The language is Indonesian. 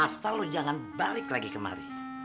asal lo jangan balik lagi kemari